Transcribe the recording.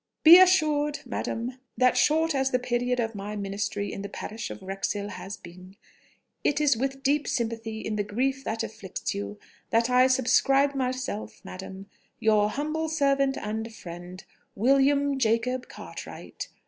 Be assured, madam, that short as the period of my ministry in the Parish of Wrexhill has been, it is with deep sympathy in the grief that afflicts you that I subscribe myself, madam, "Your humble servant and friend, "WILLIAM JACOB CARTWRIGHT.